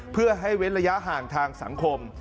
เพื่อให้เว้นระยะห่างทางสังคม